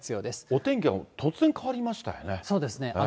お天気は突然変わりましたよね。